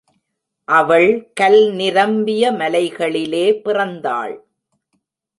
அவள் கல் நிரம்பிய மலைகளிலே பிறந்தாள்.